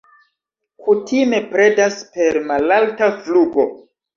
Kutime predas per malalta flugo.